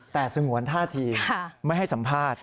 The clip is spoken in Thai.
แต่สงวนท่าทีไม่ให้สัมภาษณ์